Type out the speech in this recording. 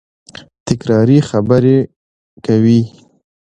تکراري خبري کوي.